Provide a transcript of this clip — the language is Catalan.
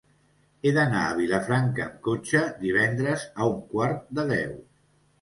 He d'anar a Vilafranca amb cotxe divendres a un quart de deu.